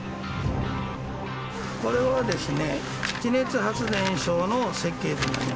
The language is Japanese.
これはですね